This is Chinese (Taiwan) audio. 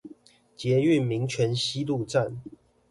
捷運民權西路站